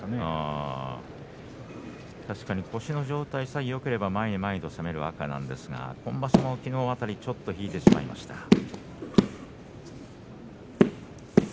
確かに腰の状態さえよければ前へ前へと攻めるんですが今場所、きのう辺りも引いてしまいました。